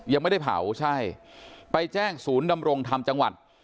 ยังไม่ได้เผาใช่ไปแจ้งศูนย์ดำรงธรรมจังหวัด